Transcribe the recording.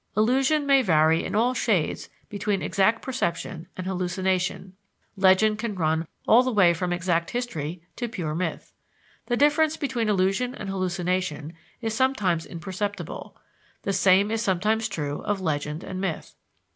Illusion may vary in all shades between exact perception and hallucination; legend can run all the way from exact history to pure myth. The difference between illusion and hallucination is sometimes imperceptible; the same is sometimes true of legend and myth.